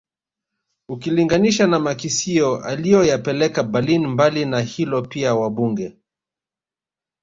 ukilinganisha na makisio aliyoyapeleka Berlin mbali na hilo pia wabunge